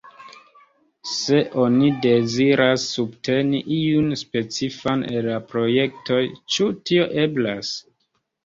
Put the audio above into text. Se oni deziras subteni iun specifan el la projektoj, ĉu tio eblas?